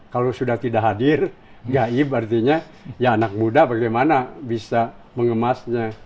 kalau sudah tidak hadir gaib artinya ya anak muda bagaimana bisa mengemasnya